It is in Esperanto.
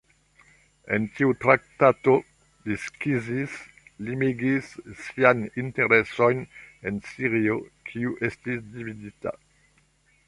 En tiu traktato, li skizis, limigis siajn interesojn en Sirio, kiu estis dividita.